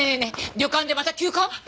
旅館でまた急患？